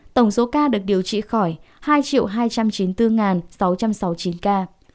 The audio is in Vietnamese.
tổng số ca được điều trị khỏi hai hai trăm chín mươi bốn sáu trăm sáu mươi chín ca